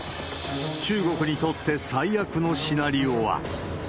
中国にとって最悪のシナリオは。